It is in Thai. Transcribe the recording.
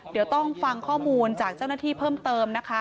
เดี๋ยวต้องฟังข้อมูลจากเจ้าหน้าที่เพิ่มเติมนะคะ